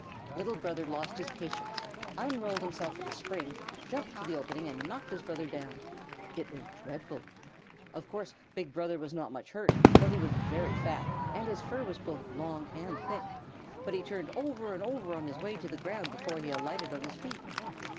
Little Brother lost his patience, unrolled himself with a spring, jumped to the opening, and knocked his brother down. It was dreadful. Of course Big Brother was not much hurt, for he was very fat and his fur was both long and thick, but he turned over and over on his way to the ground before he alighted on his feet.